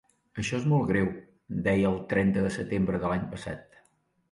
Això és molt greu, deia el trenta de setembre de l’any passat.